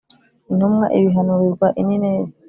intumwa ibihanurirwa i Nineve